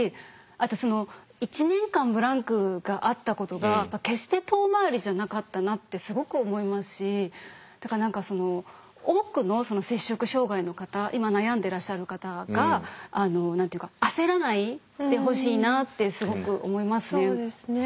あとその１年間ブランクがあったことが決して遠回りじゃなかったなってすごく思いますしだから多くの摂食障害の方今悩んでらっしゃる方が焦らないでほしいなってすごく思いますね。